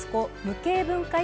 無形文化